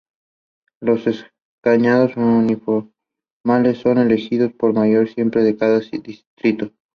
Los escaños uninominales son elegidos por mayoría simple en cada distrito.